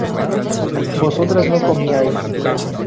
vosotras no comíais